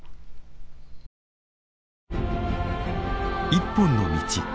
「一本の道」。